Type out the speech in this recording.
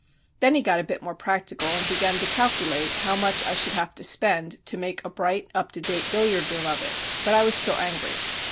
Then he got a bit more practical, and began to calculate how much I should have to spend to make a bright, up to date billiard room of it. But I was still angry.